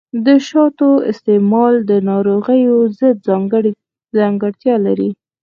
د شاتو استعمال د ناروغیو ضد ځانګړتیا لري.